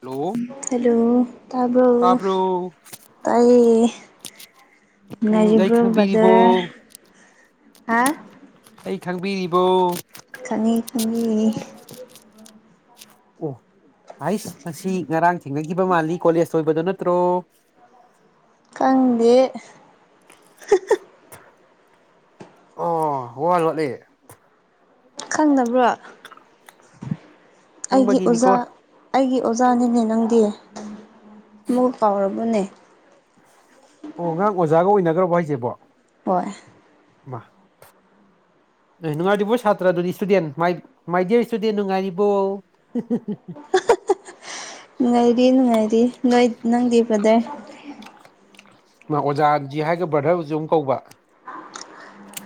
hello hello ꯇꯕꯔꯣ ꯇꯥꯕ꯭ꯔꯣ ꯇꯥꯏ ꯑꯦ ꯎꯝ ꯑꯩ ꯅꯨꯡꯉꯥꯏꯔꯤꯕꯣ ꯕꯗꯔ ꯈꯪꯕꯤꯔꯤꯕꯣ ꯍꯥ ꯑꯩ ꯈꯪꯕꯤꯔꯤꯕꯣ ꯈꯪꯉꯤ ꯈꯪꯉꯤ ꯑꯣ ꯍꯥꯏꯁ ꯃꯁꯤ ꯉꯔꯥꯡ ꯊꯦꯡꯅꯈꯤꯕ ꯃꯥꯜꯂꯤ ꯀꯣꯂꯦꯖ ꯂꫭꯏꯕꯗꯣ ꯅꯠꯇ꯭ꯔꯣ ꯈꯪꯗꯦ [unintelligible] ꯑꯣ ꯋꯥ ꯂꯣꯠꯂꯦ ꯈꯪꯅꯕ꯭ꯔꯣ ꯑꯩꯒꯤ ꯈꯪꯕꯒꯤꯅꯤꯀꯣ ꯑꯣꯖꯥ ꯑꯩꯒꯤ ꯑꯣꯖꯥꯅꯤꯅꯦ ꯅꯪꯗꯤ ꯑꯃꯨꯛ ꯀꯥꯎꯔꯕꯅꯦ ꯑꯣ ꯉꯉꯔꯥꯡ ꯑꯣꯖꯥꯒ ꯑꯣꯏꯅꯈ꯭ꯔꯕꯣ ꯍꯥꯏꯁꯦꯕꯣ ꯍꯣꯏ [inaudible] ꯅꯨꯡꯉꯥꯏꯔꯤꯕꯣꯏ ꯁꯥꯇ꯭ꯔ ꯑꯗꯨꯗꯤ student my my dear student ꯅꯨꯡꯉꯥꯏꯔꯤꯕꯣ ꯅꯨꯡꯉꯥꯏꯔꯤ ꯅꯨꯡꯉꯥꯏꯔꯤ ꯅꯣꯏ ꯅꯪꯗꯤ ꯕ꯭ꯔꯗꯔ ꯑꯣꯖꯥꯖꯤ ꯍꯥꯏꯒ ꯕ꯭ꯔꯙꯔꯕꯨꯁꯨ ꯑꯃ ꯀꯧꯕ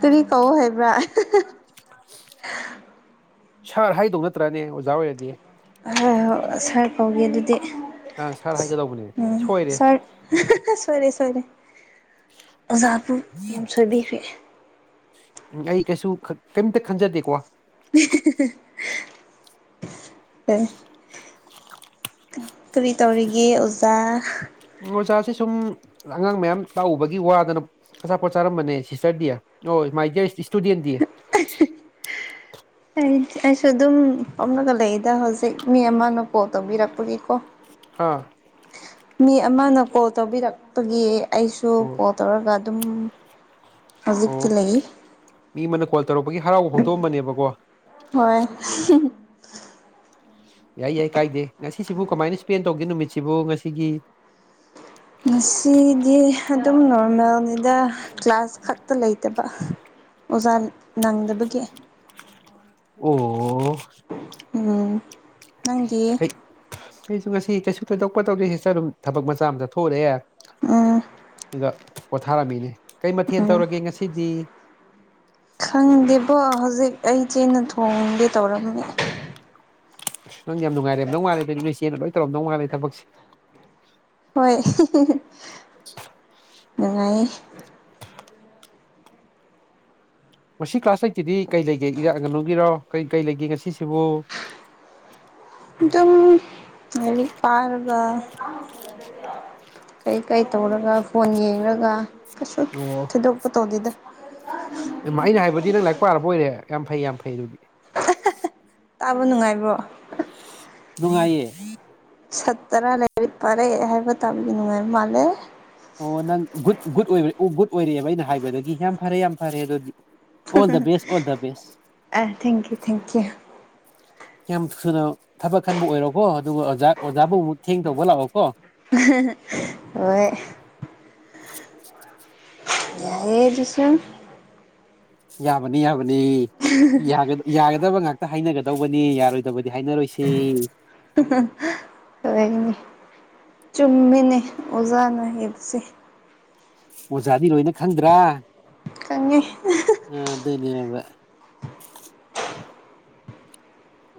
ꯀꯔꯤ ꯀꯧ ꯍꯥꯏꯕ꯭ꯔꯥ [unintelligible] ꯁꯥꯔ ꯍꯥꯏꯗꯧ ꯅꯠꯇ꯭ꯔꯅꯦ ꯑꯣꯖꯥ ꯑꯣꯏꯔꯗꯤ [unintelligible] ꯁꯥꯔ ꯀꯧꯒꯦ ꯑꯗꯨꯗꯤ ꯑ ꯁꯥꯔ ꯍꯥꯏꯒꯗꯧꯕꯅꯦ ꯎ ꯁꯣꯏꯔꯦ ꯁꯥꯔ [unintelligible] ꯁꫭꯏꯔꯦ ꯁꫭꯏꯔꯦ ꯑꯣꯖꯥꯕꯨꯨ ꯌꯥꯝ ꯁꯣꯏꯕꯤꯈ꯭ꯔꯦ ꯎꯝ ꯑꯩ ꯀꯩꯁꯨ ꯀꯩꯝꯇ ꯈꯟꯖꯗꯦꯀꯣ [unintelligible] ꯀꯔꯤ ꯇꯧꯔꯤꯒꯦ ꯑꯣꯖꯥ ꯑꯣꯖꯥꯁꯦ ꯁꯨꯝ ꯑꯉꯥꯡ ꯃꯌꯥꯝ ꯂꯥꯛꯎꯕꯒꯤ ꯋꯥꯗꯅ ꯑꯆꯥꯄꯣꯠ ꯆꯥꯔꯝꯕꯅꯦ ꯁꯤꯁꯇꯔꯗꯤ ꯑꯣ ꯃꯥꯏꯖ ꯏꯁꯇꯨꯗꯦꯟꯗꯤ ꯑꯩ ꯑꯩꯁꯨ ꯑꯗꯨꯝ ꯄꯣꯝꯂꯒ ꯂꯩꯗ ꯍꯧꯖꯤꯛ ꯃꯤ ꯑꯃꯅ ꯀꯣꯜ ꯇꯧꯕꯤꯔꯛꯄꯒꯤꯀꯣ ꯍꯥꯥ ꯃꯤ ꯑꯃꯅ ꯀꯣꯜ ꯇꯧꯕꯤꯔꯛꯄꯒꯤ ꯑꯩꯁꯨ ꯑꯣ ꯀꯣꯜ ꯇꯧꯔꯒ ꯑꯗꯨꯝ ꯑꯣ ꯍꯧꯖꯤꯛꯇꯤ ꯂꯩ ꯃꯤ ꯑꯃꯅ ꯀꯣꯜ ꯇꯧꯔꯛꯄꯒꯤ ꯍꯔꯥꯎꯕ ꯐꯣꯡꯗꯣꯛꯑꯝꯕꯅꯦꯕꯀꯣ ꯍꯣꯏ [unintelligible] ꯌꯥꯏ ꯌꯥꯏ ꯀꯥꯏꯗꯦ ꯉꯁꯤꯁꯤꯕꯨ ꯀꯃꯥꯏꯅ ꯏꯁ꯭ꯄꯦꯟ ꯇꯧꯒꯦ ꯅꯨꯃꯤꯠꯁꯤꯕꯨ ꯉꯁꯤꯒꯤ ꯉꯁꯤꯗꯤ ꯑꯗꯨꯝ ꯅꯣꯔꯃꯦꯜꯅꯤꯗ ꯀ꯭ꯂꯥꯁ ꯈꯛꯇ ꯂꯩꯇꯕ ꯑꯣꯖꯥ ꯅꯪꯗꯕꯒꯤ ꯑꯣ ꯎꯝ ꯅꯪꯒꯤ ꯑꯩ ꯑꯩꯁꯨ ꯉꯁꯤ ꯀꯩꯁꯨ ꯀꯣꯏꯗꯣꯛꯄ ꯇꯧꯗꯣꯏꯁꯤꯆ ꯑꯗꯨꯝ ꯊꯕꯛ ꯃꯆꯥ ꯑꯃꯆꯥꯊꯣꯛꯎꯔꯦ ꯎꯝ ꯑꯗꯨꯗ ꯄꯣꯊꯥꯔꯝꯃꯤꯅꯦ ꯀꯩ ꯃꯊꯦꯜ ꯎꯝ ꯇꯧꯔꯒꯦ ꯉꯁꯤꯗꯤ ꯈꯪꯗꯦꯕꯣ ꯍꯧꯖꯤꯛ ꯑꯩꯆꯦꯅ ꯊꯣꯡꯗꯦ ꯇꯧꯔꯝꯃꯦ ꯅꯪ ꯌꯥꯝꯅꯨꯡꯉꯥꯏꯔꯝ ꯅꯧ ꯃꯥꯜꯂꯦ ꯅꯣꯏ ꯆꯦꯅ ꯂꯣꯏ ꯇꯧꯔꯝꯗꯧ ꯃꯥꯜꯂꯦ ꯊꯕꯛꯦ ꯍꯣꯏ [unintelligible] ꯅꯨꯡꯉꯥꯏꯌꯦ ꯉꯁꯤ ꯀ꯭ꯂꯥꯁ ꯑꯩꯠꯇꯗꯤ ꯀꯩ ꯂꯩꯒꯦ ꯏꯔꯥꯛ ꯑꯒꯅꯨꯒꯤꯔꯣ ꯀꯩ ꯀꯩ ꯂꯩꯒꯦ ꯉꯁꯤꯁꯤꯕꯨ ꯑꯗꯨꯝ [unintelligible] ꯄꯥꯔ ꯀꯩꯀꯩ ꯇꯧꯔꯒ ꯐꯣꯟ ꯌꯦꯡꯔꯒ ꯀꯁꯨ ꯑꯣ ꯗꯨꯛꯄ ꯇꯧꯗꯦꯗ [unintelligible] ꯑꯩꯅ ꯍꯥꯏꯕꯗꯩ ꯅꯪ ꯂꯥꯏꯛ ꯄꯥꯔꯕꫭꯏꯔꯦ ꯌꯥꯝ ꯐꯩ ꯌꯥꯝ ꯐꯩ ꯑꯗꯨꯗꯤ ꯇꯥꯕ ꯅꯨꯡꯉꯥꯏꯕ꯭ꯔꯣ ꯅꯨꯡꯉꯥꯏꯌꯦ ꯁꯠ ꯇꯔꯥ ꯂꯩꯔꯤꯛ ꯄꯥꯔꯦ ꯍꯥꯏꯕ ꯇꯥꯕꯒꯤ ꯅꯨꯡꯉꯥꯏꯕ ꯃꯥꯜꯂꯦ ꯑꯣ ꯅꯪ ꯒꯨꯗ ꯒꯨꯗ ꯑꯣꯏꯕ ꯑꯣ ꯒꯨꯗ ꯑꯣꯏꯔꯛꯑꯦꯕ ꯑꯩꯅ ꯍꯥꯏꯕꯗꯒꯤ ꯌꯥꯝ ꯐꯔꯦ ꯌꯥꯝ ꯐꯔꯦ ꯑꯗꯨꯗꯤ all the best all the ꯕꯦꯁ [unintelligible] ꯑ ꯊꯦꯡꯀ ꯌꯨ ꯊꯦꯡꯀ꯭ꯌꯨ ꯌꯥꯝ ꯊꯨꯅ ꯊꯕꯛ ꯈꯟꯕ ꯑꯣꯏꯔꯣꯀꯣ ꯑꯗꯨꯒ ꯑꯣꯖꯥ ꯑꯣꯖꯥꯕꯨ ꯑꯃꯨꯛ ꯊꯦꯡ ꯇꯧꯕ ꯂꯥꯛꯑꯣꯀꯣ [unintelligible] ꯍꯣꯏ ꯌꯥꯏꯌꯦ ꯑꯥꯗꯨꯁꯨꯝ ꯌꯥꯕꯅꯤ ꯌꯥꯕꯅꯤ ꯌꯥꯒꯗ ꯌꯥꯒꯗꯕ ꯉꯥꯛꯇ ꯍꯥꯏꯅꯒꯗꯧꯕꯅꯤ ꯌꯥꯔꯣꯏꯗꯕꯗꯤ ꯍꯥꯏꯅꯔꯣꯏꯁꯤ [unintelligible] ꯍꯣꯏꯅꯤ ꯆꯨꯝꯃꯤꯅꯦ ꯑꯣꯖꯥꯅ ꯍꯩꯕꯁꯦ ꯑꯣꯖꯥꯗꯤ ꯂꯣꯏꯅ ꯈꯪꯗ꯭ꯔꯥ ꯑ ꯈꯪꯉꯦ ꯑꯗꯨꯅꯦꯕ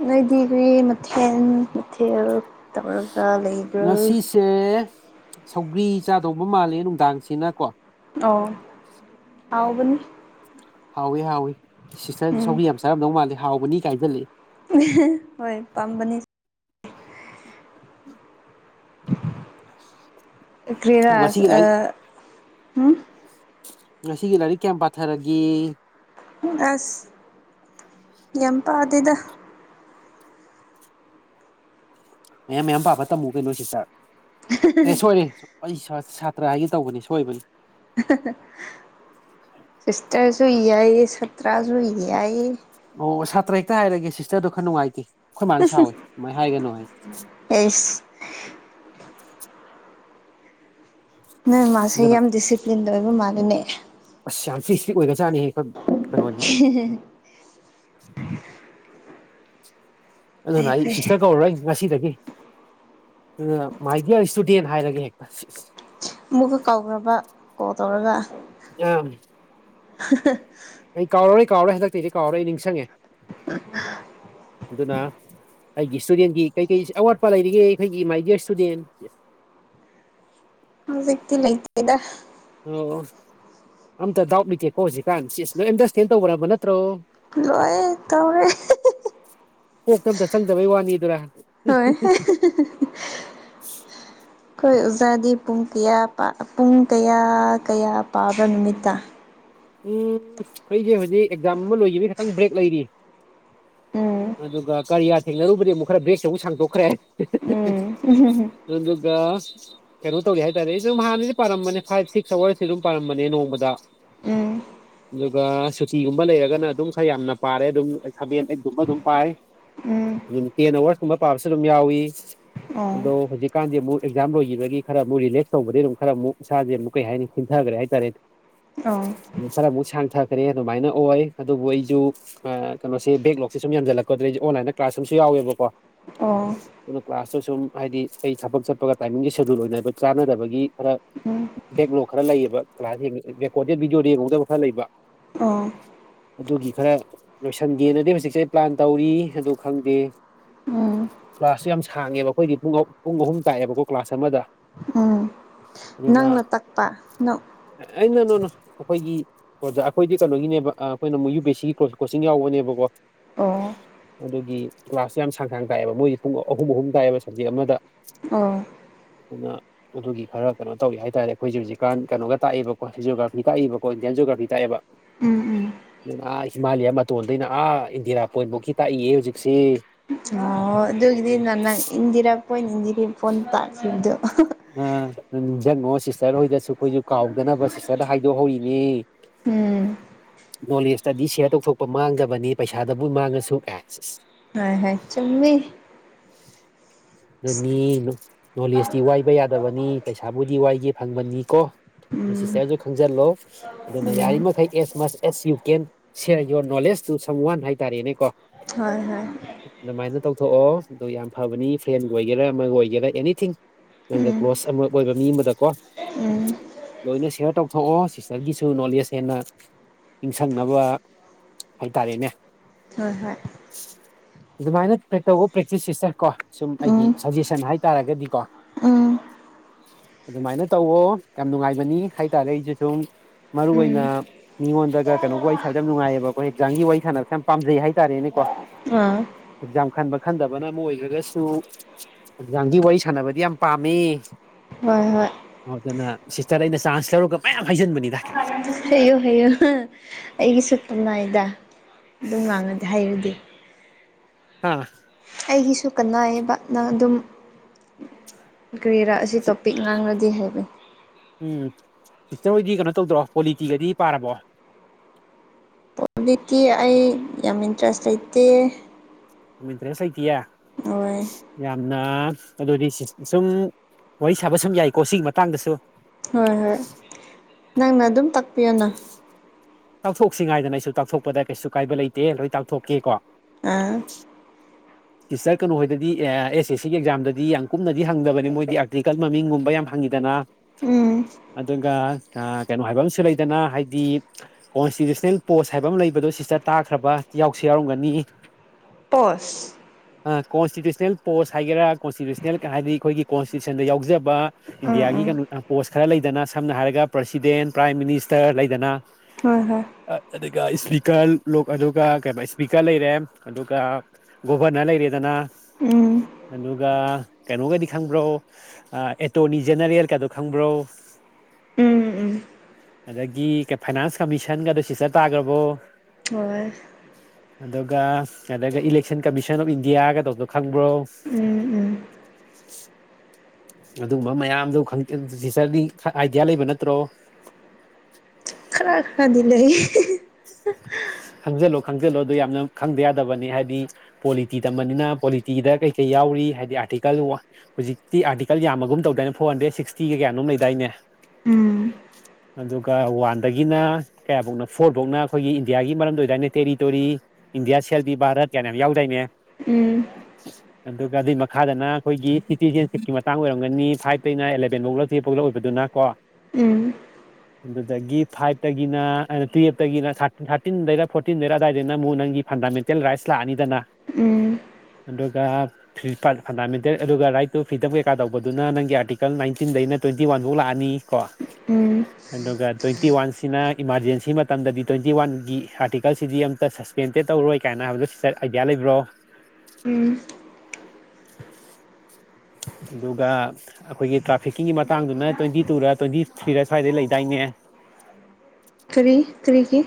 ꯅꯣꯏꯗꯤ ꯒ꯭ꯔꯤ ꯃꯊꯦꯜ ꯃꯊꯦꯜ ꯇꯧꯔꯒ ꯂꯩꯕ꯭ꯔꯣꯏ ꯁꯦ ꯁꯧꯒ꯭ꯔꯤ ꯆꯥꯗꯧꯕ ꯃꯥꯜꯂꯦ ꯅꯨꯡꯗꯥꯡꯁꯤꯅ ꯀꯣ ꯑꯣ ꯑꯥꯎꯕꯅꯤ ꯍꯥꯎꯏ ꯍꯥꯎꯏ ꯁꯤꯁꯇꯔ ꯎꯝ ꯁꯧꯕꯤ ꯌꯥꯝ ꯆꯥꯔꯝꯗꯧ ꯃꯥꯜꯂꯦ ꯍꯥꯎꯕꯅꯤ ꯀꯥꯏꯁꯤꯜꯂꯦ [unintelligible] ꯍꯣꯏ ꯄꯥꯝꯕꯅꯤ ꯉꯁꯤꯒꯤ ꯂꯥꯏꯔꯤꯛ [unintelligible] ꯎꯝ ꯉꯁꯤꯒꯤ ꯂꯥꯏꯔꯤꯛ ꯀꯌꯥꯝ ꯄꯥꯊꯔꯒꯦ ꯑꯁ ꯌꯥꯝ ꯄꯥꯗꯦꯗ ꯃꯌꯥꯝ ꯃꯌꯥꯝ ꯄꯥꯕ ꯇꯝꯃꯨ ꯀꯩꯅꯣ ꯁꯤꯁꯥꯔ ꯑꯦ ꯁꯣꯏꯔꯦ ꯑꯩ ꯁꯥꯇ꯭ꯔ ꯍꯥꯏꯒꯦ ꯇꯧꯕꯅꯦ ꯁꯣꯏꯕꯅꯤ [unintelligible] ꯁꯤꯁꯇꯔꯁꯨ ꯁꯠꯇ꯭ꯔꯥꯁꯨ ꯌꯥꯌꯦ ꯑꯣ ꯁꯥꯇ꯭ꯔ ꯍꯦꯛꯇ ꯍꯥꯏꯔꯒꯦ ꯁꯤꯁꯇꯔꯗꯣ ꯈꯔ ꯅꯨꯡꯉꯥꯏꯇꯦ ꯑꯩꯈꯣꯏ ꯃꯥꯅ ꯁꯥꯎꯋꯦ ꯀꯃꯥꯏ ꯍꯥꯏꯒꯅꯨ ꯍꯥꯏ ꯑꯦꯁ ꯅꯣꯏ ꯃꯥꯁꯦ ꯑꯗꯨꯅ ꯌꯥꯝ ꯗꯤꯁꯤꯄ꯭ꯂꯤꯟ ꯑꯣꯏꯕ ꯃꯥꯜꯂꯅꯦ ꯑꯁ ꯌꯥꯝꯇꯤ ꯏꯁꯤꯛ [unintelligible] ꯑꯣꯏ ꯀꯩꯅꯣꯅꯤ [unintelligible] ꯑꯗꯨꯅ ꯐꯩ ꯑꯩ ꯐꯩ ꯁꯤꯁꯇꯔ ꯀꯧꯔꯔꯣꯏ ꯑꯩ ꯉꯁꯤꯗꯒꯤ ꯃꯥꯥꯏ ꯗꯤꯔꯥ ꯏꯁꯇꯨꯗꯦꯟ ꯍꯥꯏꯔꯒꯦ ꯍꯦꯛꯇ ꯑꯃꯨꯛꯀ ꯀꯥꯎꯈ꯭ꯔꯕ ꯀꯣꯜ ꯇꯧꯔꯒ [unintelligible] [unintelligible] ꯑꯩ ꯀꯥꯎꯔꯣꯏ ꯀꯥꯎꯔ ꯍꯗꯛꯇꯗꯤ ꯀꯥꯎꯔ ꯑꯩ ꯅꯤꯡꯁꯤꯡꯉꯦ [unintelligible] ꯑꯗꯨꯅ ꯑꯩꯒꯤ ꯏꯁꯇꯨꯗꯦꯟꯒꯤ ꯀꯩꯀꯩ ꯑꯋꯥꯠꯄ ꯂꯩꯔꯤꯒꯦ ꯑꯩꯈꯣꯏꯒꯤ ꯃꯥꯏ ꯗꯗꯤꯌꯔ ꯏꯁꯇꯨꯗꯦꯟ ꯍꯧꯖꯤꯛꯇꯤ ꯂꯩꯇꯗ ꯑꯣ ꯑꯝꯇ ꯗꯥꯎꯠ ꯂꯩꯇꯦꯀꯣ ꯍꯧꯖꯤꯛꯀꯥꯟ ꯁꯤꯁ ꯅꯣꯏ ꯑꯟꯗꯔꯁꯇꯦꯟ ꯇꯧꯔꯥꯕ ꯅꯠꯇ꯭ꯔꯣ ꯂꯣꯏꯦ ꯇꯧꯔꯦ ꯀꯣꯛꯇꯝꯇ ꯆꯪꯗꯕꯩ ꯋꯥꯅꯤ ꯑꯗꯨꯔ ꯍꯣꯏ ꯑꯩꯈꯣꯏ [unintelligible] ꯑꯩꯈꯣꯏ ꯑꯣꯖꯥꯗꯤ ꯄꯨꯡ ꯀꯌꯥ ꯄꯨꯡ ꯀꯌꯥ ꯀꯌꯥ ꯄꯥꯕ ꯅꯨꯃꯤꯠꯇ ꯎꯝ ꯑꯩꯈꯣꯏꯁꯦ ꯍꯧꯖꯤꯛ ꯑꯦꯛꯖꯥꯝ ꯑꯃ ꯂꯣꯏꯈꯤꯕꯒꯤ ꯈꯈꯤꯇꯪ ꯕ꯭ꯔꯦꯛ ꯂꯩꯔꯤ ꯎꯝ ꯑꯗꯨꯒ ꯀꯔꯤꯌꯥ ꯊꯦꯡꯅꯔꯨꯕꯗꯤ ꯑꯃꯨꯛ ꯈꯔ ꯕ꯭ꯔꯦꯛꯁ ꯑꯃꯨꯛ ꯁꯥꯡꯗꯣꯛꯈ꯭ꯔꯦ ꯎꯝꯝꯝ [unintelligible] ꯀꯩꯅꯣ ꯇꯧꯒꯦ ꯍꯥꯏꯇꯥꯥꯔꯗꯤ ꯑꯩꯁꯨ ꯍꯥꯟꯅꯗꯤ ꯄꯥꯔꯝꯕꯅꯦꯏ [unintelligible] ꯁꯤꯁ ꯑꯋꯥꯔꯁꯤ ꯑꯗꯨꯝ ꯄꯥꯔꯝꯕꯅꯦ ꯅꯣꯡꯃꯗ ꯎꯝ ꯑꯗꯨꯒ ꯁꯨꯇꯤꯒꯨꯝꯕ ꯂꯩꯔꯒꯅ ꯑꯗꯨꯝ ꯈꯔ ꯌꯥꯝꯅ ꯄꯥꯔꯦ ꯑꯗꯨꯝ ꯁꯚꯦꯟ ꯑꯩꯠꯀꯨꯝꯕ ꯑꯗꯨꯝ ꯄꯥꯏ ꯎꯝ ꯑꯗꯨꯝ ꯇꯦꯟ ꯑꯋꯥꯔꯁ ꯀꯨꯝꯕ ꯄꯥꯕꯁꯨ ꯑꯗꯨꯝ ꯌꯥꯎꯏ ꯑꯣ ꯑꯗꯣ ꯍꯧꯖꯤꯛꯀꯥꯟꯗꯤ ꯑꯃꯨꯛ ꯑꯦꯛꯖꯥꯝ ꯂꯣꯏꯈꯤꯕꯒꯤ ꯈꯔ ꯑꯃꯨꯛ ꯔꯤꯂꯦꯛꯁ ꯇꯧꯕꯗꯒꯤ ꯑꯗꯨꯝ ꯈꯔ ꯑꯃꯨꯛ ꯏꯁꯥꯁꯦ ꯑꯃꯨꯛ ꯀꯩ ꯍꯥꯏꯅꯤ [unintelligible] ꯑ ꯈꯔꯃꯨꯛ ꯁꯥꯡꯊꯈ꯭ꯔꯦ ꯑꯗꯨꯃꯥꯏꯅ ꯑꯣꯏ ꯑꯗꯨꯕꯨ ꯑꯩꯁꯨ ꯀꯩꯅꯣꯁꯦ ꯕꯦꯛꯂꯣꯛꯁꯦ ꯁꯨꯝ ꯌꯥꯝꯟꯖꯂꯛꯀꯗꯩꯗꯤ ꯑꯣꯟꯂꯥꯏꯟꯗ ꯀ꯭ꯂꯥꯁ ꯁꯨꯝꯁꯨ ꯌꯥꯎꯋꯦꯕꯀꯣ ꯑ ꯑꯗꯨꯅ ꯀ꯭ꯂꯥꯁꯇꯨ ꯁꯨꯝ ꯍꯥꯏꯗꯤ ꯑꯩ ꯊꯕꯛ ꯆꯠꯄꯒ ꯇꯥꯏꯃꯤꯡꯒꯤ ꯁꯦꯗꯨꯜ ꯑꯣꯏꯅꯕ ꯆꯥꯟꯅꯗꯕꯒꯤ ꯈꯔ ꯎꯝ ꯕꯦꯛꯂꯣꯛ ꯈꯔ ꯂꯩꯌꯦꯕ ꯀ꯭ꯂꯥꯁ ꯔꯦꯀꯣꯔꯗꯦꯠ ꯚꯗꯤꯑꯣꯗ ꯌꯦꯡꯍꯧꯗꯕ ꯈꯔ ꯂꯩꯕ ꯑ ꯑꯗꯨꯒꯤ ꯈꯔ ꯂꯣꯏꯁꯟꯒꯦꯅꯗꯤ ꯍꯧꯖꯤꯛꯁꯦ ꯄ꯭ꯂꯥꯟ ꯇꯧꯔꯤ ꯑꯗꯨ ꯈꯪꯗꯦ ꯎꯝ ꯀ꯭ꯂꯥꯁꯁꯨ ꯌꯥꯝ ꯁꯥꯡꯉꯦꯕ ꯑꯩꯈꯣꯏꯗꯤ ꯄꯨꯡ ꯄꯨꯡ ꯑꯍꯨꯝ ꯇꯥꯏꯑꯦꯕꯀꯣ ꯀ꯭ꯂꯥꯁ ꯑꯃꯗ ꯎꯝ ꯅꯪꯅ ꯑꯗꯨꯅ ꯇꯛꯄ ꯅꯪ ꯑꯩꯅ ꯅꯨꯅ ꯑꯩꯈꯣꯏꯒꯤ ꯑꯣꯖ ꯑꯩꯈꯣꯏꯗꯤ ꯀꯩꯅꯣꯒꯤꯅꯦꯕ ꯑꯩꯈꯣꯏꯅ ꯑꯃꯨꯛ ꯌꯨ ꯕꯤ ꯑꯦ ꯁꯤꯒꯤ ꯀꯣꯆꯤꯡ ꯌꯥꯎꯕꯅꯦꯕꯀꯣ ꯑꯣ ꯑꯗꯨꯒꯤ ꯀ꯭ꯂꯥꯁꯁꯨ ꯌꯥꯝ ꯁꯥꯡ ꯁꯥꯡ ꯇꯥꯏꯑꯕ ꯃꯣꯏꯗꯤꯦ ꯄꯨꯡ ꯑꯍꯨꯝ ꯑꯍꯨꯝ ꯇꯥꯏꯑꯦꯕ ꯁꯞꯖꯦꯛ ꯑꯃꯗ ꯑꯣ ꯑꯗꯨꯅ ꯑꯗꯨꯒꯤ ꯈꯔ ꯀꯩꯅꯣ ꯇꯧꯋꯤ ꯍꯥꯏꯇꯥꯔꯦ ꯑꯩꯈꯣꯏꯖꯤ ꯍꯧꯖꯤꯛꯀꯥꯟ ꯀꯩꯅꯣꯒ ꯇꯥꯛꯏꯕꯀꯣ ꯐꯤꯖꯤꯑꯣꯒ꯭ꯔꯥꯐꯤ ꯇꯥꯛꯏꯕꯀꯣ ꯇꯦꯟꯖꯒꯔꯕꯤ ꯇꯑꯕ ꯎꯝ ꯎꯝ ꯑꯥ ꯍꯤꯃꯥꯂꯌꯥ ꯃꯇꯣꯟꯜꯗꯩꯅ ꯑꯥ ꯏꯟꯗꯤꯔꯥ ꯄꯣꯏꯟꯃꯨꯛꯀꯤ ꯇꯥꯛꯏꯌꯦ ꯍꯧꯖꯤꯛꯁꯤ ꯑꯣ ꯑꯗꯨꯒꯤꯗꯤ ꯅ ꯅꯪ ꯏꯟꯖꯤꯔꯥ ꯄꯣꯏꯅ ꯏꯟꯖꯤꯔꯤ ꯐꯣꯟ ꯇꯥꯛꯈꯤꯕꯗꯣ ꯑ ꯆꯪꯉꯣ ꯁꯤꯁꯇꯔ ꯍꯣꯏꯗꯁꯨ ꯑꯩꯈꯣꯏꯁꯨ ꯀꯥꯎꯗꯅꯕ ꯁꯤꯁꯇꯔꯗ ꯍꯥꯏꯗꯣꯛꯍꯧꯔꯤꯅꯦ ꯎꯝ ꯅꯣꯂꯦꯖꯇꯗꯤ ꯁꯤꯌꯥꯔ ꯇꯧꯊꯣꯛꯄ ꯃꯥꯡꯖꯕꯅꯤ ꯄꯩꯁꯥꯗꯕꯨ ꯃꯥꯡꯉꯁꯨ ꯑꯦ ꯍ ꯍ ꯆꯃꯤ ꯅꯅꯤ ꯅꯣꯂꯦꯖꯇꯤ ꯋꯥꯏꯠ ꯄꯕ ꯌꯥꯗꯕꯅꯤ ꯄꯩꯁꯥꯕꯨꯗꯤ ꯋꯥꯏꯒꯤꯦ ꯐꯪꯕꯅꯤ ꯀꯣ ꯑꯗꯨ ꯎꯝ ꯁꯤꯁꯇꯔꯁꯨ ꯈꯪꯖꯤꯜꯂꯣ ꯑꯗꯨꯅ ꯎꯝ ꯌꯥꯔꯤꯃꯈꯩ ꯑꯦꯁ ꯃꯁ ꯑꯦꯁ ꯌꯨ ꯀꯦꯟ ꯁ ꯌꯣꯔ ꯅꯣꯂꯦꯖꯇꯨ ꯁꯝ ꯋꯥꯟ ꯍꯥꯏꯇꯥꯔꯦꯅꯦ ꯀꯣ ꯍꯣꯏ ꯍꯣꯏ ꯑꯗꯨꯃꯥꯏꯅ ꯇꯧꯊꯣꯛꯑꯣ ꯑꯗꯨ ꯌꯥꯝ ꯐꯕꯅꯤ ꯐ꯭ꯔꯦꯟꯒꯤ ꯑꯣꯏꯒꯦꯔꯥ ꯑꯃꯒ ꯑꯣꯏꯒꯦꯔꯥ ꯑꯦꯅꯤꯊꯤꯡ ꯅꯪꯒ ꯎꯝ ꯀ꯭ꯂꯣꯁ ꯑꯃ ꯑꯣꯏꯕ ꯃꯤ ꯑꯃꯗꯀꯣ ꯎꯝ ꯂꯣꯏꯅ ꯁꯤꯌꯥꯔ ꯇꯧꯊꯣꯛꯑꯣ ꯁꯤꯁꯇꯔꯒꯤꯁꯨ ꯅꯣꯂꯦꯖ ꯍꯦꯟꯅ ꯅꯤꯡꯁꯤꯡꯅꯕ ꯍ ꯇꯥꯔꯅꯦ ꯍꯣꯏ ꯍꯣꯏ [inaudible] ꯑꯗꯨꯃꯥꯏꯅ ꯄꯦꯛ ꯇꯧꯕ ꯄ꯭ꯔꯦꯛꯇꯤꯁ ꯁꯤꯁꯇꯔ ꯀꯣ ꯁꯨꯝ ꯎꯝ ꯑꯩꯒꯤ ꯁꯖꯦꯁꯟ ꯍꯥꯏꯇꯥꯔꯒꯗꯤꯀꯣ ꯎꯝ ꯑꯗꯨꯃꯥꯏꯅ ꯇꯧꯋ‌ꯣ ꯌꯥꯝ ꯅꯨꯡꯉꯥꯏꯕꯅꯤ ꯍꯥꯏꯇꯥꯔꯦ ꯑꯩꯖꯨ ꯗꯨꯝ ꯃꯔꯨ ꯑꯣꯏꯅ ꯎꯝ ꯃꯤꯉꯣꯟꯗꯒ ꯀꯩꯅꯣꯒ ꯋꯥꯔꯤ ꯁꯥꯟꯕꯁ‌ꯦ ꯌꯥꯝ ꯅꯨꯡꯉꯥꯏꯌꯦꯕꯀꯣ ꯑꯦꯛꯖꯥꯝꯒꯤ ꯋꯥꯔꯤ ꯁꯥꯟꯅꯕꯁꯤ ꯌꯥꯝ ꯄꯥꯝꯖꯩ ꯍꯥꯏꯇꯥꯔꯦꯅꯦꯀꯣ ꯑꯥ ꯑꯦꯛꯖꯥꯝ ꯈꯟꯕ ꯈꯟꯗꯕꯅ ꯑꯃ ꯑꯣꯏꯈ꯭ꯔꯒꯁꯨ ꯑꯦꯛꯖꯥꯝꯒꯤ ꯋꯥꯔꯤ ꯁꯥꯟꯅꯕꯗꯤ ꯌꯥꯝ ꯄꯥꯝꯃꯤ ꯍꯣꯏ ꯍꯣꯏ ꯉ‌ꯣꯗꯅ ꯁꯤꯁꯇꯔ ꯑꯩꯅ ꯆꯥꯟꯁ ꯂꯧꯔꯒ ꯃꯌꯥꯝ ꯍꯩꯖꯤꯟꯕꯅꯤꯗ ꯀꯥꯏꯁ ꯍꯩꯌꯨ ꯍꯩꯌꯨ ꯑꯩꯒꯤꯁꯨ [unintelligible] ꯈꯨꯟꯅꯥꯏꯗ ꯑꯗꯨꯝ ꯉꯥꯡꯉꯗꯤ ꯍꯩꯔꯗꯤ ꯍꯥꯥ ꯑꯩꯒꯤꯁꯨ ꯀꯅꯥꯌꯦꯕꯠꯅ ꯑꯗꯨꯝ ꯒ꯭ꯔꯦꯔꯥ ꯑꯁꯤ ꯇꯣꯄꯤꯛ ꯉꯥꯡꯂꯗꯤ ꯍꯥꯏꯕꯅꯤ ꯎꯝ ꯁꯤꯁꯇꯔ ꯍꯣꯏꯗꯤ ꯀꯩꯅꯣ ꯇꯧꯗ꯭ꯔꯣ ꯄꯣꯂꯤꯇꯤꯒꯗꯤ ꯄꯥꯔꯕꯣ ꯍꯧꯖꯤꯛꯇꯤ ꯑꯩ ꯌꯥꯝ ꯏꯟꯇꯔꯦꯁ ꯂꯩꯇꯦ ꯅꯃꯤ ꯏ ꯇ꯭ꯔꯦꯁ ꯑꯇꯌꯥ ꯍꯣꯏ ꯌꯥꯝꯅ ꯑꯗꯨꯗꯤ ꯁꯨꯝ ꯋꯥꯔꯤ ꯁꯥꯕ ꯁꯨꯝ ꯌꯥꯏꯀꯣ ꯁꯤꯒꯤ ꯃꯇꯥꯡꯗꯁꯨ ꯍꯣꯏ ꯍꯣꯏ ꯅꯪꯅ ꯑꯗꯨꯝ ꯇꯥꯛꯄꯤꯌꯅ ꯇꯥꯛꯊꯣꯛꯁꯤ ꯉꯥꯏꯗꯅ ꯑꯩꯁꯨ ꯇꯥꯛꯊꯣꯛꯄꯗ ꯀꯩꯁꯨ ꯀꯥꯏꯕ ꯂꯩꯇꯦ ꯂꯣꯏ ꯇꯥꯛꯊꯣꯛꯀꯦ ꯀꯣ ꯑꯥ [inaudible] ꯇꯤꯆꯔ ꯀꯩꯅꯣꯍꯣꯏꯗꯗꯤ ꯑꯦꯁ ꯑꯦꯁ ꯁꯤꯒꯤ ꯑꯦꯛꯖꯥꯝꯗꯗꯤ ꯌꯥꯝ ꯀꯨꯞꯅꯗꯤ ꯍꯪꯗꯕꯅꯦ ꯃꯣꯏꯗꯤ ꯑꯥꯔꯇꯤꯀꯜ ꯃꯃꯤꯡꯒꯨꯝꯕ ꯌꯥꯝ ꯍꯪꯉꯤꯗꯅ ꯎꯝ ꯑꯗꯨꯒ ꯀꯩꯅꯣ ꯍꯥꯏꯕ ꯑꯃꯁꯨ ꯂꯩꯗꯅ ꯍꯥꯏꯗꯤ ꯀꯣꯟꯁꯇꯤꯇ꯭ꯌꯨꯁꯅꯦꯜ ꯄꯣꯁ ꯍꯥꯏꯕ ꯑꯃ ꯂꯩꯕꯗꯣ ꯁꯤꯁꯇꯔ ꯇꯥꯈ꯭ꯔꯕ ꯌꯥꯎꯁꯨ ꯌꯥꯎꯔꯝꯒꯅꯤ ꯄ‌ꯣꯁ ꯑꯥ ꯀꯣꯟꯁꯇꯤꯇ꯭ꯌꯨꯁꯅꯦꯜ ꯄꯣꯁ ꯍꯥꯏꯒꯦꯔꯥ ꯀꯣꯟꯁꯇꯤꯇ꯭ꯌꯨꯁꯅꯦꯜ ꯀ ꯍꯥꯏꯗꯤ ꯑꯩꯈꯣꯏꯒꯤ ꯀꯣꯟꯁꯇꯤꯇ꯭ꯌꯨꯁꯟꯗ ꯌꯥꯎꯖꯕ ꯏꯟꯗꯤꯌꯥꯒꯤ ꯀꯩꯅꯣ ꯑꯥ ꯄꯣꯁ ꯈꯔ ꯂꯩꯗꯅ ꯁꯝꯅ ꯍꯥꯏꯔꯒ ꯄ꯭ꯔꯁꯤꯗꯦꯟ ꯄ꯭ꯔꯥꯏꯝ ꯃꯤꯅꯤꯁꯇꯔ ꯂꯩꯗꯅ ꯍꯣꯏ ꯍꯣꯏ ꯑ ꯑꯗꯨꯒ ꯏꯁꯄꯤꯀꯔ ꯂꯨꯞ ꯑꯗꯨꯒ ꯀꯩꯕ ꯏꯁꯄꯤꯀꯔ ꯂꯩꯔꯦ ꯑꯗꯨꯒ ꯒꯣꯕꯅꯔ ꯂꯩꯔꯦꯗꯅ ꯎꯝ ꯑꯗꯨꯒ ꯀꯩꯅꯣꯒꯗꯤ ꯈꯪꯕ꯭ꯔꯣ ꯑꯥ ꯑꯦꯇꯣꯔꯅꯤ ꯖꯦꯅꯔꯦꯜ ꯀꯥꯏꯗꯣ ꯈꯪꯕ꯭ꯔꯣ ꯎꯝ ꯎꯝ ꯑꯗꯒꯤ ꯀꯩ ꯐꯥꯏꯅꯥꯟꯁ ꯀꯃꯤꯁꯟꯒꯗ‌ꯣ ꯁꯤꯁꯇꯔ ꯇꯥꯈ꯭ꯔꯕꯣ ꯍꯣꯏ ꯑꯗꯨꯒ ꯀ ꯏꯂꯦꯛꯁꯟ ꯀꯃꯤꯁꯟ ꯑꯣꯐ ꯏꯟꯗꯤꯌꯥꯒꯗꯧꯕꯗꯣ ꯈꯪꯕ꯭ꯔꯣ ꯎꯝ ꯎꯝ ꯑꯗꯨꯒꯨꯝꯕ ꯃꯌꯥꯝꯗ‌ꯣ ꯈꯪꯇꯤꯟ ꯇꯤꯆꯔꯗꯤ ꯈꯔ ꯑꯥꯏꯗꯤꯌꯥ ꯂꯩꯕ ꯅꯠꯇ꯭ꯔꯣ ꯈꯔꯥ ꯈꯔꯥꯗꯤ ꯂꯩ ꯈꯪꯖꯤꯜꯂꯣ ꯈꯪꯖꯤꯜꯂꯣ ꯑꯗꯨ ꯌꯥꯝꯅ ꯈꯪꯗ ꯌꯥꯗꯕꯅꯤ ꯍꯥꯏꯗꯤ ꯄꯣꯂꯤꯇꯤ ꯇꯝꯕꯅꯤꯅ ꯄꯣꯂꯤꯇꯤꯗ ꯀꯩꯀꯩ ꯌꯥꯎꯔꯤ ꯍꯥꯏꯗꯤ ꯑꯥꯔꯇꯤꯀꯜ ꯋꯥꯟ ꯍꯧꯖꯤꯛꯇꯤ ꯑꯥꯔꯇꯤꯀꯜ ꯌꯥꯝꯃꯒꯨꯝ ꯇꯧꯗꯥꯏꯅꯦ ꯐꯣꯔ ꯍꯟꯗ꯭ꯔꯦꯠ ꯁꯤꯛꯁꯇꯤꯒ ꯀꯌꯥꯅꯣꯝ ꯂꯩꯗꯥꯏꯅꯦ ꯎꯝ ꯑꯗꯨꯒ ꯋꯥꯟꯗꯒꯤꯅ ꯀꯌꯥꯕꯨꯛꯅ‌ꯣ ꯐꯣꯔꯐꯧꯅ ꯑꯩꯈꯣꯏꯒꯤ ꯏꯟꯗꯤꯌꯥꯒꯤ ꯃꯔꯝꯗ ꯑꯣꯏꯗꯥꯏꯅ‌ꯦ ꯇꯦꯔꯤꯇꯣꯔꯤ ꯏꯟꯗꯤꯌꯥ ꯁꯦꯜꯗꯤ ꯚꯥꯔꯠ ꯀꯥꯏꯅ ꯌꯥꯝ ꯌꯥꯎꯗꯥꯏꯅꯦ ꯎꯝ ꯑꯗꯨꯒ ꯑꯗꯨꯏ ꯃꯈꯥꯗꯅ ꯑꯩꯈꯣꯏꯒꯤ ꯁꯤꯇꯤꯖꯦꯟꯁꯤꯞꯀꯤ ꯃꯇꯥꯡ ꯑꯣꯏꯔꯝꯒꯅꯤ ꯐꯥꯏꯚꯇꯩꯅ ꯑꯦꯂꯕꯦꯟꯐꯧ ꯂ ꯆꯦ ꯄꯣꯛꯂꯧ ꯑꯣꯏꯕꯗꯨꯅ ꯀꯣ ꯎꯝ ꯑꯗꯨꯗꯒꯤ ꯐꯥꯏꯚꯇꯒꯤꯅ ꯑꯗꯨꯗ ꯇꯨꯌꯦꯞꯇꯒꯤ ꯅꯪ ꯊꯥꯔꯇꯤꯟꯗꯔ ꯐꯣꯔꯇꯤꯟꯗꯩꯔ ꯑꯗꯨꯗꯥꯏꯗꯩ ꯅ ꯑꯃꯨ ꯅꯪꯒꯤ ꯐꯟꯗꯥꯃꯦꯟꯇꯦꯜ ꯔꯥꯏꯠꯁ ꯂꯥꯛꯑꯅꯤꯗꯅ ꯎꯝ ꯑꯗꯨꯒ ꯐꯟꯗꯥꯃꯦꯟꯇꯦꯜ ꯑꯗꯨꯒ ꯔꯥꯏꯠ ꯇꯨ ꯐ꯭ꯔꯤꯗꯝ ꯀꯩꯀꯥ ꯇꯧꯕꯗꯨꯅ ꯅꯪꯒꯤꯥꯔꯇꯤꯀꯜ ꯅꯥꯏꯟꯇꯤꯟꯗꯩꯅ ꯇ꯭ꯋꯦꯟꯇꯤ ꯋꯥꯟꯐꯥꯎ ꯂꯥꯛꯑꯅꯤ ꯀꯣ ꯎꯝ ꯑꯗꯨꯒ ꯇ꯭ꯋꯦꯟꯇꯤ ꯋꯥꯟꯁꯤꯅ ꯏꯃꯥꯔꯖꯦꯟꯁꯤ ꯁꯤ ꯃꯇꯝꯗꯗꯤ ꯇ꯭ꯋꯦꯟꯇꯤ ꯋꯥꯟꯒꯤ ꯑꯥꯔꯇꯤꯀꯜꯁꯤꯗꯤ ꯑꯝꯇ ꯁꯁꯄꯦꯟꯗꯦꯠ ꯇꯧꯔꯣꯏ ꯀꯥꯏꯅ ꯍꯥꯏꯕꯗꯣ ꯑꯥꯏꯗꯤꯌꯥ ꯂꯩꯕ꯭ꯔꯣ ꯎꯝ ꯑꯗꯨꯒ ꯑꯩꯈꯣꯏꯒꯤ ꯇ꯭ꯔꯥꯐꯤꯛꯀꯤꯡꯒꯤ ꯃꯇꯥꯡꯗꯨꯅ ꯇ꯭ꯋꯦꯟꯇꯤ ꯇꯨꯔꯥ ꯇ꯭ꯋꯦꯟꯇꯤ ꯊ꯭ꯔꯤꯗ ꯁ꯭ꯋꯥꯏꯗꯩ ꯂꯩꯗꯥꯏꯅꯦ ꯀ꯭ꯔꯤ ꯀ꯭ꯔꯤꯒꯤ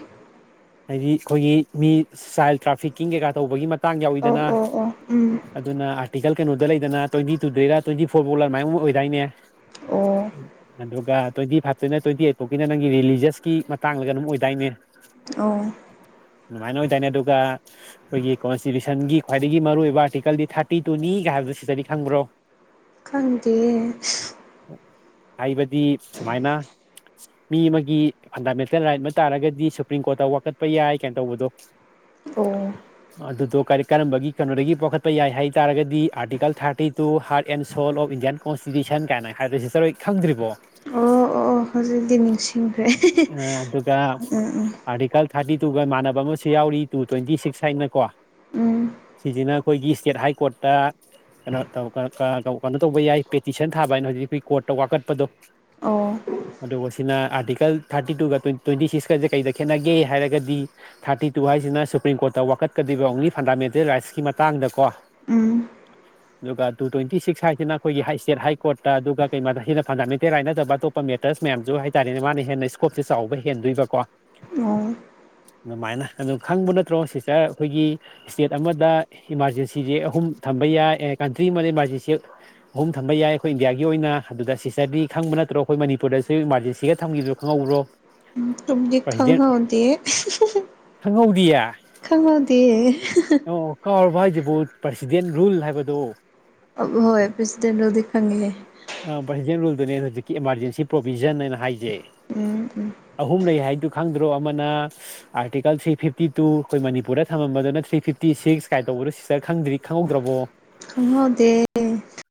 ꯍꯥꯏꯗꯤ ꯑꯩꯈꯣꯏꯒꯤ ꯃꯤ ꯆꯥꯏꯜ ꯇ꯭ꯔꯥꯐꯤꯛꯀꯤꯡ ꯀꯩꯀꯥ ꯇꯧꯕꯒꯤ ꯃꯇꯥꯡ ꯑꯣ ꯌꯥꯎꯋꯤꯗꯅ ꯑꯣ ꯑꯣ ꯎꯝ ꯑꯗꯨꯅ ꯑꯥꯔꯇꯤꯀꯜ ꯀꯩꯅꯣꯗ ꯂꯩꯗꯅ ꯇ꯭ꯋꯦꯟꯇꯤ ꯇꯨꯗꯩꯔ ꯇ꯭ꯋꯦꯟꯇꯤ ꯐꯣꯔ ꯐꯥꯎꯂ ꯑꯗꯨꯃꯥꯏꯅꯃ ꯑꯣꯏꯗꯥꯏꯅꯦ ꯑꯣ ꯑꯗꯨꯒ ꯇ꯭ꯋꯦꯟꯇꯤ ꯐꯥꯏꯚꯇꯩꯅ ꯇ꯭ꯋꯦꯟꯇꯤ ꯑꯩꯠ ꯐꯥꯎꯒꯤꯅ ꯅꯪꯒꯤ ꯔꯤꯂꯤꯖꯁꯀꯤ ꯃꯇꯥꯡꯂ ꯀꯩꯅ‌ꯣꯝ ꯑꯣꯏꯗꯥꯏꯅꯦ ꯑꯣ ꯑꯗꯨꯃꯥꯏꯅ ꯑꯣꯏꯗꯥꯏꯅ‌ꯦ ꯑꯗꯨꯒ ꯑꯩꯈꯣꯏꯒꯤ ꯀꯣꯟꯁꯇꯤꯇ꯭ꯌꯨꯁꯟꯒꯤ ꯈ꯭ꯋꯥꯏꯗꯒꯤ ꯃꯔꯨꯑꯣꯏꯕ ꯑꯥꯔꯇꯤꯀꯜꯗꯤ ꯊꯥꯔꯇꯤ ꯇꯨꯅꯤꯒ ꯍꯥꯏꯕꯗꯨ ꯁꯤꯁꯇꯔꯗꯤ ꯈꯪꯕ꯭ꯔꯣ [inaudible] ꯈꯪꯗꯦ ꯍꯥꯏꯕꯗꯤ ꯁꯨꯃꯥꯏꯅ ꯃꯤ ꯑꯃꯒꯤ ꯐꯟꯗꯥꯃꯦꯟꯇꯦꯜ ꯔꯥꯏꯠ ꯃꯠꯇꯥꯔꯒꯗꯤ ꯁꯨꯄ꯭ꯔꯤꯝ ꯀꯣꯔꯠꯇ ꯋꯥ ꯆꯠꯄ ꯌꯥꯏ ꯀꯩꯅꯣ ꯇꯧꯕꯗꯣ ꯑꯣ ꯑꯗꯨꯗꯣ ꯀꯔꯤ ꯀꯔꯝꯕꯒꯤ ꯀꯩꯅꯣꯗꯒꯤ ꯄꯣꯛꯈꯠꯄ ꯌꯥꯏ ꯍꯥꯏ ꯇꯥꯔꯒꯗꯤ article thirty two heart and soul of Indian constitution ꯀꯥꯏꯅ ꯍꯥꯏꯗꯣꯏꯁꯤ ꯆꯠꯣꯏ ꯈꯪꯗ꯭ꯔꯤꯕꯣ ꯑꯣ ꯑꯣ ꯍꯧꯖꯤꯛꯇꯤ ꯅꯤꯡꯁꯤꯡꯈ꯭ꯔꯦ ꯑꯗꯨꯒ ꯎꯝ ꯎꯝ ꯑꯥꯔꯇꯤꯀꯜ ꯊꯥꯔꯇꯤ ꯇꯨꯒ ꯃꯥꯟꯅꯕ ꯑꯃꯁꯨ ꯌꯥꯎꯔꯤ ꯇꯨ ꯇ꯭ꯋꯦꯟꯇꯤ ꯁꯤꯛꯁ ꯍꯥꯏꯅꯀꯣ ꯎꯝ ꯁꯤꯁꯤꯅ ꯑꯩꯈꯣꯏꯒꯤ ꯏꯁꯇꯦꯠ ꯍꯥꯏ ꯀꯣꯔꯠꯇ ꯀꯩꯅꯣ ꯀꯩꯅꯣ ꯇꯧꯕ ꯌꯥꯏ ꯄꯦꯇꯤꯁꯟ ꯊꯥꯕ ꯍꯥꯏꯅ ꯍꯧꯖꯤꯛ ꯑꯩꯈꯣꯏ ꯀꯣꯔꯠꯇ ꯋꯥꯀꯠꯄꯗꯣ ꯑꯣ ꯑꯗꯨꯒ ꯁꯤꯅ ꯑꯥꯔꯇꯤꯀꯜ ꯊꯥꯔꯇꯤ ꯇꯨꯒ ꯇ꯭ꯋꯦꯟꯇꯤ ꯁꯤꯛꯁꯀꯁꯦ ꯀꯩꯗ ꯈꯦꯠꯅꯒꯦ ꯍꯥꯏꯔꯒꯗꯤ ꯊꯥꯔꯇꯤ ꯇꯨ ꯍꯥꯏꯁꯤꯅ ꯁꯨꯄ꯭ꯔꯤꯝ ꯀꯣꯔꯠꯇ ꯋꯥꯀꯠꯀꯗꯕ ꯑꯣꯡꯂꯤ ꯐꯟꯗꯥꯃꯦꯟꯇꯦꯜ ꯔꯥꯏꯠꯁꯀꯤ ꯃꯇꯥꯡꯗ ꯀꯣ ꯎꯝ [inaudible] ꯑꯗꯨꯒ ꯇꯨ ꯇ꯭ꯋꯦꯟꯇꯤ ꯁꯤꯛꯁ ꯍꯥꯏꯁꯤꯅ ꯑꯩꯈꯣꯏꯒꯤ ꯏꯁꯇꯦꯠ ꯍꯥꯏ ꯀꯣꯔꯠꯇ ꯑꯗꯨꯒ ꯀꯩ ꯁꯤꯅ ꯐꯟꯗꯥꯃꯦꯟꯇꯦꯜ ꯔꯥꯏꯠꯠꯇꯕꯇꯣꯄ ꯑꯄ ꯃꯦꯇꯔꯁ ꯃꯌꯥꯝꯁꯨ ꯍꯥꯏꯇꯥꯔꯦꯅꯦ ꯃꯥꯅ ꯍꯦꯟꯅ ꯏꯁꯀꯣꯞꯁꯦ ꯆꯥꯎꯕ ꯍꯦꯟꯗꯣꯏꯕꯀꯣ ꯑꯣ ꯑꯗꯨꯃꯥꯏꯅ ꯑꯗꯨꯣ ꯈꯪꯕ ꯅꯠꯇ꯭ꯔꯣ ꯁꯤꯁꯇꯔ ꯑꯩꯈꯣꯏꯒꯤ ꯏꯁꯇꯦꯠ ꯑꯃꯗ ꯏꯃꯥꯔꯖꯦꯟꯁꯤꯁꯦ ꯑꯍꯨꯝ ꯊꯝꯕ ꯌꯥꯏ ꯀꯟꯇ꯭ꯔꯤ ꯑꯃꯗ ꯏꯃꯥꯔꯖꯦꯟꯁꯤ ꯑꯍꯨꯝ ꯊꯝꯕ ꯌꯥꯏ ꯑꯩꯈꯣꯏ ꯏꯟꯗꯤꯌꯥꯒꯤ ꯑꯣꯏꯅ ꯑꯗꯨꯗ ꯁꯤꯁꯇꯔꯗꯤ ꯈꯪꯕ ꯅꯠꯇ꯭ꯔꯣ ꯑꯩꯈꯣꯏ ꯃꯅꯤꯄꯨꯔꯗꯁꯨ ꯏꯃꯥꯔꯖꯦꯟꯁꯤꯒ ꯊꯝꯈꯤꯕꯗꯨ ꯈꯪꯍꯧꯕ꯭ꯔꯣ ꯇꯒꯤ ꯈꯪ ꯍꯧꯗꯦ ꯈꯪꯍꯧꯗꯤꯌꯥ ꯈꯪꯉꯍꯧꯗꯤꯌꯦ ꯑꯣ ꯀꯥꯎꯔꯕ ꯍꯥꯏꯁꯤꯕꯨ ꯄ꯭ꯔꯁꯤꯗꯦꯟ ꯔꯨꯜ ꯍꯥꯏꯕꯗꯣ ꯍꯣꯏ ꯄꯤꯁꯗꯦꯟꯣꯗꯤ ꯈꯪꯉꯤꯍꯦ ꯑ ꯄ꯭ꯔꯁꯤꯗꯦꯟ ꯔꯨꯜꯗꯨꯅꯦ ꯍꯧꯖꯤꯛꯀꯤ ꯏꯃꯥꯔꯖꯦꯟꯁꯤ ꯄ꯭ꯔꯣꯚꯤꯖꯟ ꯍꯥꯏꯅ ꯍꯥꯏꯖꯦ ꯎꯝ ꯎꯝ ꯑꯍꯨꯝ ꯂꯩ ꯍꯥꯏꯗꯨ ꯈꯪꯗ꯭ꯔꯣ ꯑꯃꯅ ꯑꯥꯔꯇꯤꯀꯜ ꯊ꯭ꯔꯤ ꯐꯤꯞꯇꯤ ꯇꯨ ꯑꯩꯈꯣꯏ ꯃꯅꯤꯄꯨꯔꯗ ꯊꯝꯃꯝꯕꯗꯅ ꯊ꯭ꯔꯤ ꯐꯤꯞꯇꯤ ꯁꯤꯛꯁ ꯀꯥꯏꯅ ꯇꯧꯕꯗꯣ ꯁꯤꯁꯇꯔ ꯈꯪꯗ꯭ꯔꯤ ꯈꯪꯍꯧꯗ꯭ꯔꯕꯣ ꯈꯪꯍꯧꯗꯦ